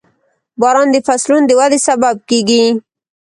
• باران د فصلونو د ودې سبب کېږي.